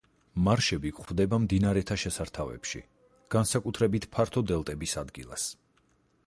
მარშები გვხვდება მდინარეთა შესართავებში, განსაკუთრებით ფართო დელტების ადგილას.